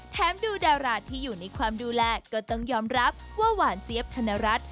ดูดาราที่อยู่ในความดูแลก็ต้องยอมรับว่าหวานเจี๊ยบธนรัฐ